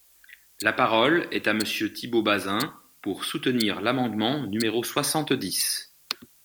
La parole est à Monsieur Thibault Bazin, pour soutenir l’amendement numéro soixante-dix.